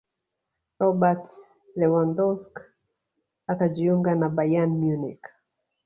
robert lewandowsk akajiunga na bayern munich